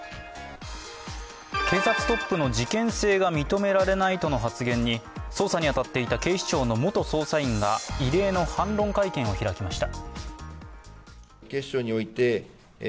警察トップの事件性が認められないとの発言に、捜査に当たっていた警視庁の元捜査員が異例の反論会見を開きました。